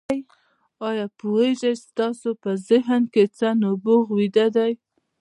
آيا پوهېږئ چې ستاسې په ذهن کې څه نبوغ ويده دی؟